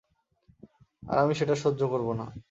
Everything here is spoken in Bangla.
আর আমি সেটা সহ্য করবো না।